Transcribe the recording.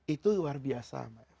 itu luar biasa